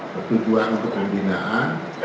ketujuan untuk pembinaan